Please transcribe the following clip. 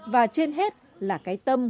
và trên hết là cái tâm